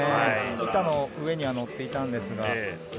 板の上には乗っていたのですが。